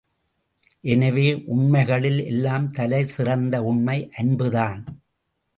எனவே, உண்மைகளில் எல்லாம் தலை சிறந்த உண்மை அன்பு தான்.